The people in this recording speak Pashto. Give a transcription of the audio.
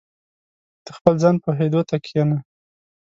• د خپل ځان پوهېدو ته کښېنه.